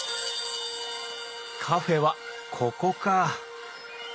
カフェはここか！